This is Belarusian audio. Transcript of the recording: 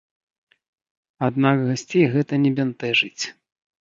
Аднак гасцей гэта не бянтэжыць.